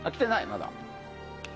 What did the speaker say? まだ。